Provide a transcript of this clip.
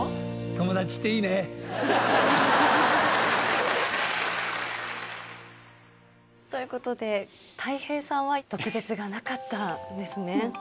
友達っていいね。ということで、たい平さんは毒舌がなかったんですね。